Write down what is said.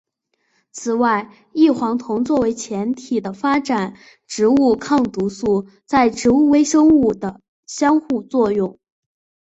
此外异黄酮作为前体的发展植物抗毒素在植物微生物的相互作用。